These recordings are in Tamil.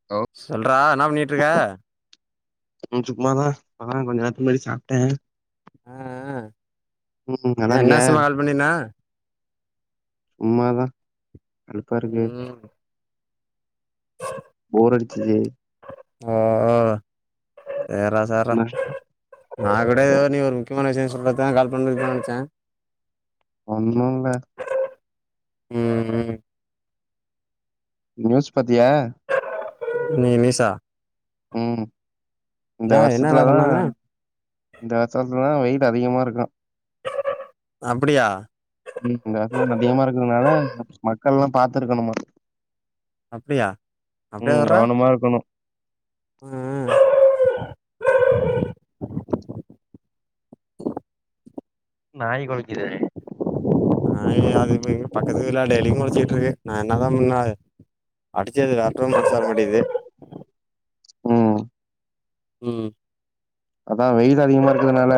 ஹவ் சொல்றா என்னா பண்ணிட்ருக்க ம் சும்மாதா இப்பதா கொஞ்சோ நேரத்துக்கு முன்னாடி சாப்டே அ அ ம் நல்லா என்ன இருக்கியா விசுமா கால் பண்ணின சும்மாதா கடுப்பாருக்கு ம் போர் அடிச்சது அ அ சேர்ரா சேர்ரா என்ன நா கூட எதோ நீ ஒரு முக்கியமான விஷ்யோ சொல்றதுக்குதா கால் பண்ருப்பனு நெனச்சே ஒன்னுல்ல ம் ம் நியூஸ் பத்தியா இன்னகி நிஸா ம் இந்த என்ன என்னடா வர்ஷத்துல தா சொன்னாங்க இந்த வர்சத்துலதா வெயில் அதிகமாருக்கு அப்டியா ம் இந்த வருஷோந் அதிகமா இருக்குறனால மக்கள்ளா பாத்துருக்கணுமா அப்டியா அப்டியா ம் சொல்ற கவனமா இருக்கணு ம் அ நாய் கொலைக்குரது நாய் அது இப்ப இங்க பக்கத்து வீட்ல டெய்லியு கொலச்சிட்டு இருக்கு நா என்னதா பண்ண அடிச்சது ரத்தோ வந்து சாகமாடிங்குது ம் ம் அதா வெயில் அதிகமாருக்கறதுனால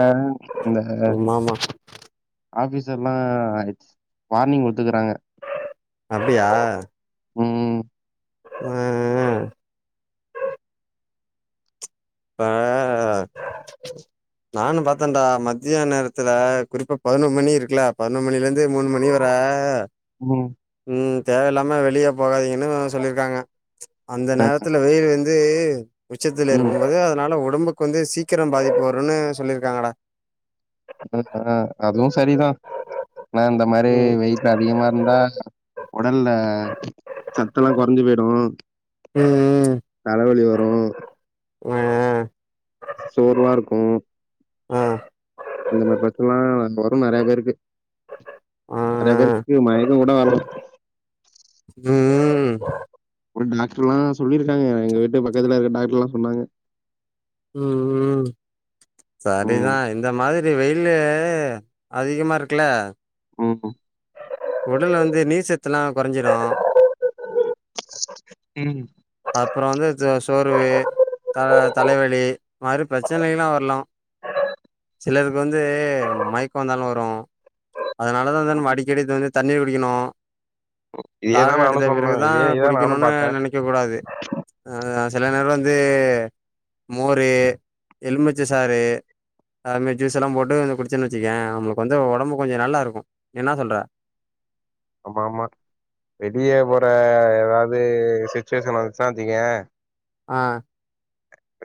இந்த அ ஆமா ஆமா ஆபீஸ் எல்லா வார்னிங் குத்துக்றாங்க அப்டியா ம் ஆ ஆ ப் ஆ நானு பாத்தென்டா மதியா நேரத்துல குறிப்பா பதினோர் மணி இருக்குல பதினொர் மணிலேந்து மூணு மணி வர ம் ம் தேவயில்லாம வெளிய போகாதீங்கன்னு சொல்லிருக்காங்க அந்த ம் நேரத்துல வெய்யில் வந் து உச்சத்துல ம் இருக்குபோது அதனால உடம்புக்கு வந்து சீக்கரோ பாதிப்பு வருனு சொல்லிருக்காங்கடா ஆ ஹ்ம் அதுவு சரிதா நா இந்த மாரி ம் வெய்யி லு அதிகமா இருந்தா ஒடல்ல சத்தல்லா குறைஞ்சு போய்டு ம் தலவலி வரு [unintelligible] சோர்வாருக்கு அ இந்த மாரி ப்ரச்சனல்லா வரு நெறைய பேருக்கு அ நெறைய பேருக்கு மய க்கோங்கூட வர்லா ம் ஒரு டாக்டருல்லா சொல்லிருக்காங்க எங்க வீட்டு பக்கத்துல இருக்கற டாக்டருல்லா சொன்னாங்க ம் ம் ம் சரிதா இந்த மாதிரி வெய்யில்லு அதிகமா இருக்குல ம் உடல் வந்து நீர் சத்துல்லா குறஞ்சிரு ம் அப்றோ வந்து த சோர்வு தல தலைவலி மாதிரி ப்ரச்சனல்லா வர்லா சிலருக்கு வந்து மயக்கோ வந்தாலு வரு அதனாலதா வந்து நம்ம அடிக்கடி வந்து தண்ணீ குடிக்கிணு இதேதா தாகோ நானு எடுத்த சொன்னே பிறகுதா இதே இதா நானு குடிக்கணும்னு பாத்தே நெனைக்க கூடாது எனது ஆசல்லா [unintelligible] வந்து மோரு எலுமிச்ச சாரு அதுமாரி ஜூஸ்ல்லா போட்டு கொஞ்சோ குடிச்சன்னு வச்சிக்கையே நம்பளுக்கு வந்து ஒடம்பு கொஞ்சோ நல்லாயிருக்கு என்னா சொல்ற ஆமா ஆமா வெளியே போற ஏதாவ்து சிச்சுவேஷன் வந்துசினா வச்சிக்கியே ஆ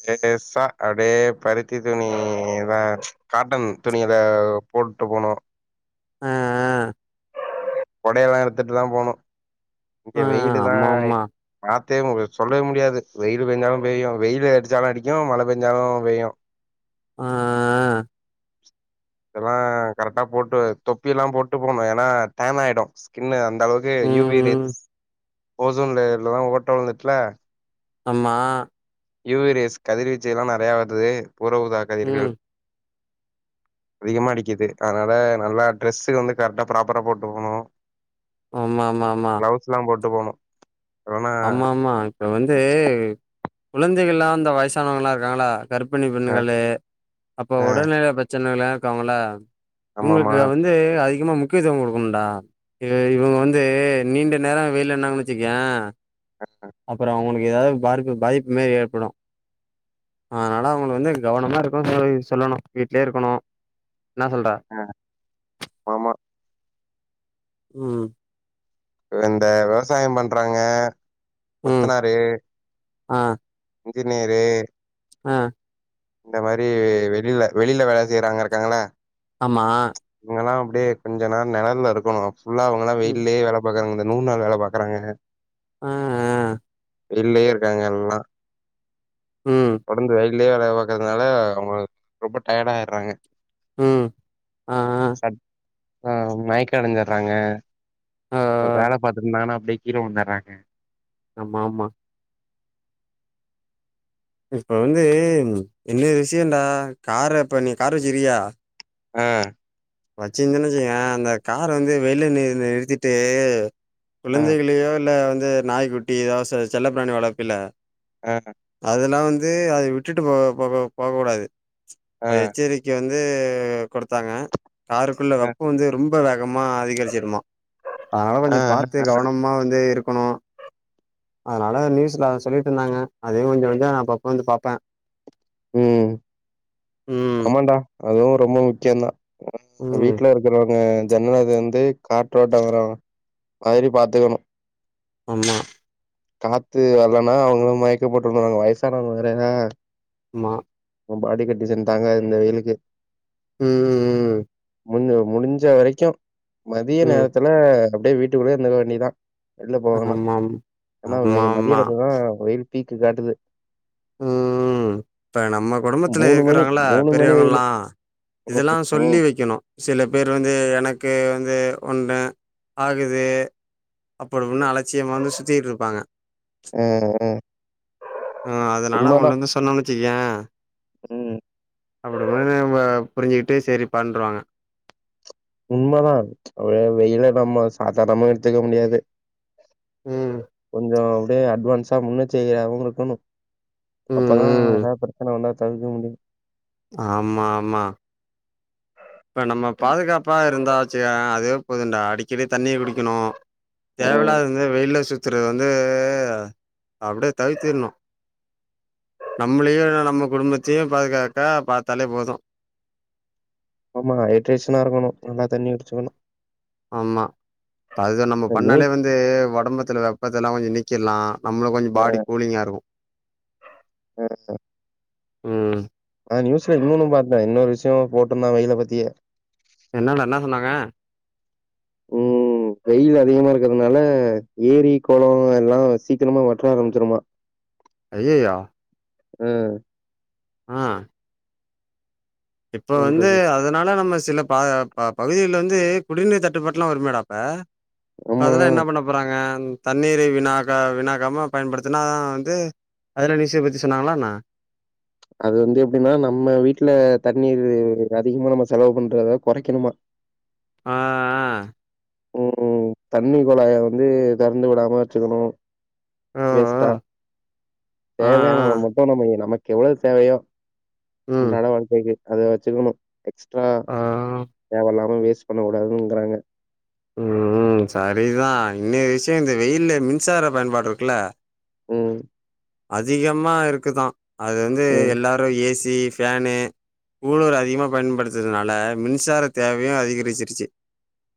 லேசா அப்டியே பருத்தி துணிதா காட்டன் துணியில போட்டு போணு ஆ ஆ கொடையெல்லா எடுத்துட்டு தா போணு இங்கே ஆ ஆ வெய்யிலு தா ஆமா ஆமா ஆத்தே உங்ளுக்கு சொல்லவே முடியாது வெய்யிலு பேஞ்சாலும் பெய்யு வெய்யிலு அடிச்சாலு அடிக்கு மழ பேஞ்சாலு பெய்யு ஆ இதெல்லா கரெக்டா போட்டு தொப்பி எல்லா போட்டு போணு ஏன்னா டான் ஆயிடு ஸ்கின்னு அந் அந்த அளவுக்கு ம் யூவி ம் ரேஸ் ஓசோன் லேயர்லதா ஓட்ட உளுந்துட்டுல்ல அம்மா யூ வி ரேஸ் கதிர்வீச்சிகலா நெறைய வருது பூற ஊதா கதிர்கள் ம் அதிகமா அடிக்குது அதனால நல்லா டிரரெஸ்ஸு வந்து கரெக்டா ப்ராப்பரா போட்டு போணு ஆமா ஆமா ஆமா கிளவுஸ்லா போட்டு போணு ஆமா ஆமா இப்ப வந்து கொழந்தைகள்லா அந்த வயசானவங்கல்லா இருக்காங்ளா கருப்பணி ஆ பெண்களு அப்ப ஆ உடல்நெலை ப்ரச்சனைகள்லா இருக்காங்களா ஆமாமா இவுங்களுக்கு வந்து அதிகமா முக் கியதுவோ குடுக்கணம்டா இவே இவுங்க வந்து நீண்ட நேரோ வெய்யில நின்னாங்கன்னு வச்சுகேயே அ ஆ அப்பற அவ்ங்களுக்கு எதாவ்து பாரிப்பு பாதிப்பு மாரி ஏற்படு அதனால அவ்ங்கள வந்து கவனமா இருக்கனு சொல்லி சொல்லணு வீட்லே இருக்கணு என்னா சொல்ற அ ம் இவ இந்த விவசாய பண்றாங்க ம், கொத்தனாரு ஆ இன்ஜினியரு அ இந்த மாரி வெளில வெளில வேல செய்றவ்ங்க இருக்காங்கள ஆமா அவ்ங்கலா அப்டியே கொஞ்ச நேர நெனல்ல இருக்கணு ஃபுல்லா அவ்ங்கலா ம், வெயிலயே வேலப் பாக்குறாங்க இந்த நூறு நாள் வேல பாக்குறாங்க ம் ம் வெள்லயே இருக்காங்க எல்லா ம், தொடர்ந்து வெயி ல்லே வேல பாக்கறதுனால அவ்ங்களா ரொம்ப டயர்ட் ஆயிட்றாங்க ம் ஆ, சட் ஆ மயக்க அடஞ்சிற்றாங்க ஆ, ஆ, வ வேல பாத்துருந்தாங்கனா அப்டி கீழ விழுந்துட்றாங்க ஆமா ஆமா இப்ப வந்து ரெண்டு விசியண்டா கார இப்ப நீ காரு வச்சிரிக்கியா ஆ வச்சிருந்தனு வச்சுக்கயே அந்த கார வந்து வெளில நீ நிறுத்திட்டு ஆ குழந்தைகளையோ இல்ல வந்து நாய்க் குட்டி எதோ செ செல்லப்பிராணி வளர்ப்பீல ஆ அதெல்லா வந்து அத விட்டுட்டு போ போக போக கூடாது ஆ அது எச்சரிக் க்க வந்து குடுத்தாங்க காருக்குள்ள ஆ வெப்போ வந்து ரொம் ம்ப வேகமாக அதிகரிச்சிருமா அதனால ஆ கொஞ்ச பாத்து கவனமா வந்து இருக்கணு அதனால நியூஸ்ல அத சொல்லிட்டு இருந்தாங்க அதையு கொஞ்ச கொஞ்ச அப்பப்ப வந்து பாப்பே ம் ம், ஆமான்டா அதுவு ரொம்ப முக்கியந் தா ம். வீட்ல இருக்கிறவ்ங்க ஜன்னல தெறந்து காற்றறோட்ட வரு அதுவரையு பாத்துக்கணு ஆமா காத்து வல்லனா அவ்ங்களு மயக்கப்போட்டு விழுந்துருவாங்க வயசானவங்க வேறையா ம்மா ஒ பாடி கண்டிசன் தாங்காது இந்த வெயிலுக்கு ம் ம், ம். முன்னு முடிஞ்ச வரைக்கு மதிய ம். நேரத்த துல்ல அப்டியே வீட்டுக்குள்ளே இருந்துக்க வேண்டியது தா வெள்ல போகாம ஆமாம். ஆனா வெ ஆமாமா. மதியானத்துல் தா வெயிலு பீக்கு காட்டுது ம் இப்ப நம்ம குடும்பத்துல மூணு மணி இருக்கிறாங்க ள மூணு மணி வெயிலு பெரியவங்கள்லா ம் இதெல்லா ம் சொல்லி ம் வெக்கணு சில பேரு வந்து எனக்கே வந்து ஒன்ற ஆகுது அப்படி உன்ன அலட்சியமா வந்து சுத்திகிட்ருப்பாங்க அ அ ஆ அதனால அவுங்கள்ட்டந்து சொன்னம் வெச்சுக்கயே ம் அப்டிமேத புரிஞ்சிட்டு சேரி பண்றுவாங்க உண்மதா ஒரே வெயில நம்ம சாதாரணமா எடுத்துக்க முடியாது ம் கொஞ்சோ அப்டியே அட்வான்ஸா முன்னெ செய்யற அவுங்களுக்குனு ம் அப்பதா ம் எதாவது பிரச்சன வந்தா தவிர்க்க முடியு ஆமாமா இப்ப நம்ம பாதுகாப்பா இருந்தா வெச்சுவய அதுவே போதுண்டா அடிக்கடி தண்ணிய குடிக்கணு ம் தேவயில்லாது இருந்தா வெளில சு சுத்துறது வந்து அப்டியே தவிர்த்திர்ணு நம்மளயு நம்ம குடும்பத்தயு பாதுகாக்கா பாத்தாலே போது ஆமா ஹைட்ரைஷனா இருக்கணு நல்லா தண்ணி குடிச்சுக்கணு ஆமா அதுதா நம்ம பண்ணாலே வந்து ஒடம்புத்தில்ல வெப்பத்தெல்லா கொஞ்சோ நீக்கிலா நம்மளு கொஞ்சோ பாடி கூலிங்கா இருக்கு சேரி சேரி ம் ஆ நியூஸ்ல இன்னொன்னு பாத்த இன்னொரு விஷ்யோ போட்டுருந்தான் வெய்யில பத்தியே என்னடா என்ன சொன்னாங்க ம் வெயில் அதிகமா இருக்கறதுனால ஏரி, கொளோ எல்லா சீக்கிரமா வற்ற ஆரம்பிச்சிருமா அய்யய்யோ ம் ஆ இப்ப வந்து பண்றது அ அதனால நம்ம சில ப பகுதில வந்து குடிநீர் தட்டுப்பாட்டெல்லா வருமேடா அப்ப ஆமா அதெல்லா என்ன பண்ண போறாங்க தண்ணீரை வீணாக வீணாக்காம பயன்படுத்துனா வந்து அதுல நியூஷோ பத்தி சொன்னாங்ளா என்ன அது வந்து எப்டினா நம்ம வீட்ல தண்ணீர் அதிகமா நம்ம செலவு பண்றத கொறைக்கணுமா ஆ ஆ ம் தண்ணி கொழாய வந்து தெறந்து விடாம வெச்சுக்கணு ஓ, ஓ. வேஸ்டா ஆ, தேவயானளவு ஆ. மட்டு நம்ம நமக்கு எவ்ளோ தேவயோ ம். அன்றாட வாழ்க்கைக்கு அத வெச்சுக்கணு எக்ஸ்ட்ரா ஆ தேவ இல்லாம வேஸ்ட் பண்ணக்கூடாதுங்கறாங்க ம், ம் சரிதா இன்னைய விஷியோ இந்த வெயில்ல மின்சார பயன்பாடு இருக்கல்ல ம் அதிகமா இருக்குதா அது வந்து ம் எல்லாரு ஏ சி, ஃபேனு கூள்ளர் அதிகமா பயன்படுததுனால மின்சார தேவயு அதிகரிச்சிருச்சு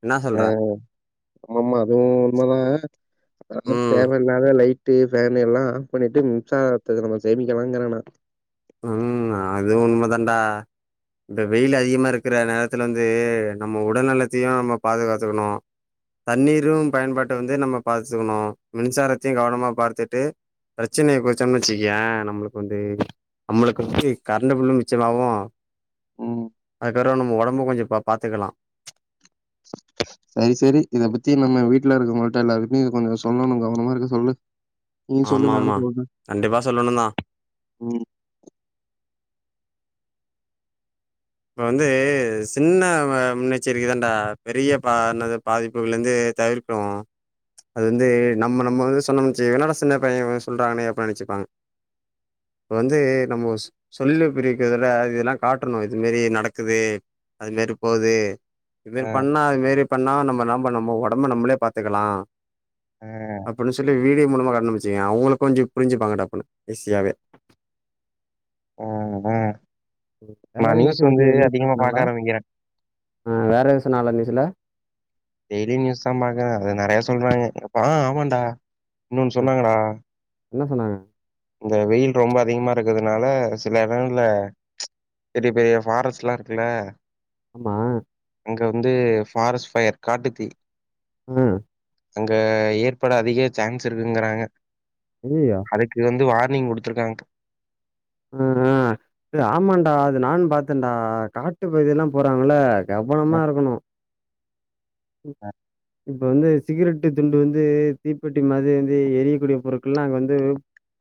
என்னா உ சொல்ற? ஆமாமா அதுவு உண்மதா அதெல்லா ம். தேவ இல்லாத லைட்டு ஃபேனு எல்லா ஆஃப் பண்ணிட்டு மின்சாரத்துக்கு நம்ம சேமிக்கலாங்கற நா ம் அது உண்ம தாண்டா இந்த வெயில் அதிகமா இருக்கிற நேரத்துல வந்து நம்ம உடல்நலத்தயு நம்ம பாதுகாத்துக்கணு பாதுகாத்துக்கணும் தண்ணீரூ பயன்பாட்ட வந்து நம்ம பாச்க்கணு மின்சாரத்தயு கவனமா பார்த்துட்டு பிரச்சனய கொறச்சம்னு வெச்சுகியே நம்மள்க்கு வந்து நம்மளுக்கு வந்து கரண்டு பில்லு மிச்சமாகு ம். அதுக்கப்பறோ நம்ம ஒடம்ப கொஞ்சோ ப பாத்துக்கலா செரி செரி இத பத்தி நம்ம வீட்ல இருக்கவங்கள்ட எல்லாருக்கு கொஞ்சோ சொல்லணு கவனமா இருக்க சொல்லு நீயும் ஆம சொல்லு, ஆமா நானும் சொல்றேன். கண்டிப்பா சொல்லணு தா ம். இப்ப வந்து சின்ன வ முன்னெச்சரிக்கை தான்டா பெரிய பா என்னது பாதிப்புகள்ருந்து தவிர் அது வந்து நம்ம நம்ம சொன்னம்ன்னு வெச்சுக்க என்னடா சின்ன பையே சொல்றாங்கன்னே அப்டின் நெனச்சிப்பாங்க இப்ப வந்து நம்ம சொ சொல்லி புரிய வெக்கறதுல்ல அதெல்லா காட்டணு இது மேரி நடக்குது அது மேரி போது இது மேரி ஆ, பண்ணா அது மேரி பண்ணா நம்ம நம்ம ஒடம்பு நம்மளே பாத்துக்கலா ஆ, அப்டின் சொல்லி வீடியோ மூலமா கண்ட்டுபுடிச்சுங்க அவுங்களுக்கு கொஞ்சு புரிஞ்சுப்பாங்க டப்புன்னு ஈஸியாவே ஆ அத வேற நா எதுவும் நியூஸ நியூஸ் பத்தி வந்து நியூஸ்ல அதிகமா சொன்னாங்களா? பாக்க ஆரம்மிக்கிறே ஆ வேற எது சொன்னாங்கலா நியூஸுல டெய்லி நியூஸ் தா பாக்ற அதுல நறைய சொல்றாங்க எப்பா ஆமான்டா இன்னொன்னு ஆ சொன்னாங்கடா என்ன சொன்னாங்க இங்க வெயில் ரொம்ப அதிகமா இருக்கறதுனால சில எடங்கள்ல பெரிய பெரிய ஃபாரஸ்ட்லா இருக்குல்ல ஆமா அங்க வந்து ஃபாரஸ்ட் ஃபயர் காட்டுத்தீ அ அங்க ஏற்பட அதிக சான்ஸ் இருக்குங்கறாங்க அய்யயோ இது வந்து வார்னிங் குடுத்துருக்காங்க அ அ ஏ ஆமான்ட்டா அது நானு பாத்தேன்ட்டா ம் காட்டு பகுதியெல்லா போறாங்கள கவனமா இருக்கணு ம் இப்ப வந்து சிகரெட்டு துண்டு வந்து தீப்பெட்டி மாரி வந்து எரியக்கூடிய பொருட்கள்ல்லா அங்க வந்து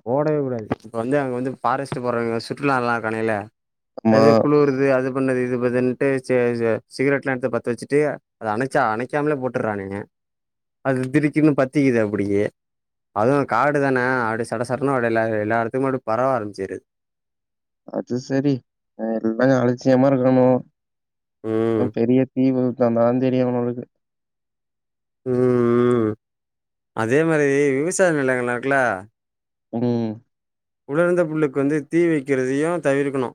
போடவே கூடாது இப்ப வந்து அங்க வந்து ஃபாரஸ்ட் போறவங்க சுற்றுலால்லா இருக்காணுகல்ல ஆமா அதே குளுருது அது பண்ணது இது பதுண்ட்டு [unintelligible] சிகரெட்லா எடுத்து பத்த வெச்சுட்டு அத அனைச் ச்சா அணைக்காமலே போட்றானுங்க அது திடுக்குன்னு பத்திக்கிது அப்டியே அதுவு காடு தான அப்டி சடசடன்னு அப்டி எல்லா எல்லா எடத்துக்குமே அப்டி பரவ ஆரம்பிச்சிருது அது செரி எ எல்லா அலட்சியமா இருக்கமோ அ ம். பெரிய தீ விழுந்தாதா தெரியு அவுனோங்களுக்கு ம் ம் அதே மாரி விவசாய நெலங்கள்லா இருக்குல்ல ம் உலர்ந்த புள்ளுக்கு வந்து தீ வைக்கிறதையு தவிர்க்கணு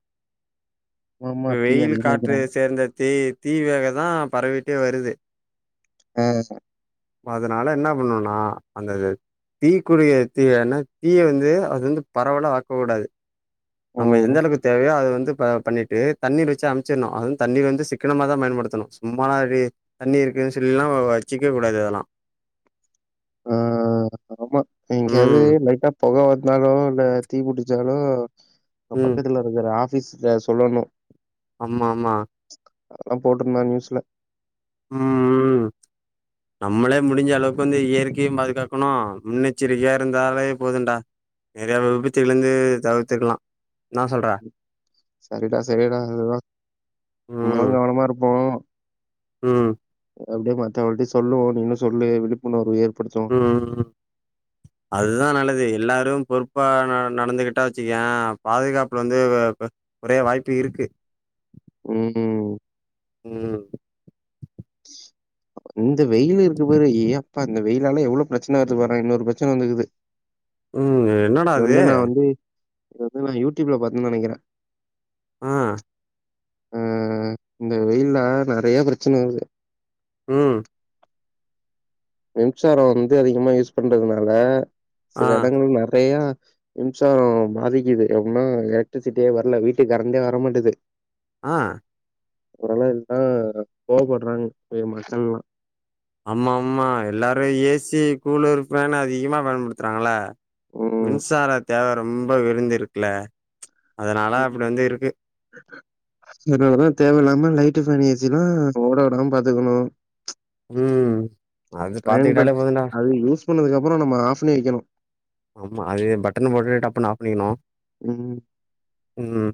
ஆமா இப்ப தீ வெயிலு அதிகமா காற்று வைக்கிறாங்க சேர்ந்த தீ தீ வேகதா பரவிட்டே வருது அ அதனால என்ன பண்ணுன்னா அந்தது தீக்குடிய எடுத்துக்கன்னா தீயை வந்து அது வந்து பரவலா ஆக்கக்கூடாது நம்ம ம் எந்தளவுக்கு தேவையோ அத வந்து ப பண்ணிட்டு தண்ணீர் வெச்சு அமைச்சிர்ணு அதுவு வந்து தண்ணீர் வந்து சிக்கனமா தா பயன்படுத்தணு சும்மாலா அப்டி தண்ணி இருக்குன்னு சொல்லிலா வ வச்சுக்கவே கூடாது அதெல்லா ஆ ஆமா எங்கேயாவது ம், லைட்டா பொக வரு இருந்தாலு இல்ல தீ புடிச்சாலு ம். பக்கத்துல இருக்கற ஆஃபீஸ்ல சொல்லணு ஆமாமா அதெல்லா போட்ருந்தா நியூஸ்ல ம் ம் நம்மளே முடிஞ்ச அளவுக்கு வந்து இயற்கையையும் பாதுகாக்கணு முன்னெச்சரிக்கையா இருந்தாலே போதுன்டா நிறைய விபத்துகல்லேந்து தவிர்த்துக்கலா என்னா சொல்ற சரிடா சரிடா அதுதா நம்மதா ம் கவனமா இருப்போ ம் அப்டியே மத்தவள்டயு சொல்லுவோ நீனு சொல்லு விழிப்புணர்வு ஏற்படுத்து ம் ம் அதுதா நல்லது எல்லாரும் பொறுப்பா ந நடந்துகிட்டா வச்சுக்கயே பாதுகாப்பு வந்து ஒரே வாய்ப்பு இருக்கு ம் ம் இந்த வெயிலு இருக்கு பாரு ஏ அப்பா இந்த வெயிலால எவ்ளோ பிரச்சன வருது பாறே இன்னொரு பிரச்சன வந்துக்குது ம் என்னடா இது வந்து நா வந்து இது வந்து நா யூடியூப்ல பாத்தே நினைக்கிறே ஆ ஆ இந்த வெயில்ல நெறைய பிரச்சன வருது ம் மின்சாரோ வந்து அதிகமா யூஸ் பண்றதுனால ஆ சில எடங்கள் நெறையா மின்சாரோ பாதிக்குது எப்டினா எலக்ட்ரிசிட்டியே வர்ல வீட்டுக்கு கரண்டே வரமாட்டுது ஆ அவரெல்லா இதுதா கோவப்படுறாங்க இப்பயு மக்கள்லா ஆம்மா ஆம்மா எல்லாரு ஏசி கூலரு ஃபேனு அதிகமா பயன்படுத்துறாங்கல்ல ம். மின்சார தேவ ரொம்ப விருந்திருக்குல அதனால அப்டி வந்து இருக்கு இதுகாகதா தேவ இல்லாம லைட்டு ஃபேனு ஏசில்லா ஓட விடாம பாத்துக்கணு ம் அது பாத்துக்கிட்டாலே பயன்படுத் போதுன்டா அது யூஸ் பண்ணதுக்கு அப்புற நம்ம ஆஃப் பண்ணி வைக்கணு ஆமா அது பட்டனு போட்டு டப்புன்னு ஆஃப் பண்ணிக்கணு ம். ம்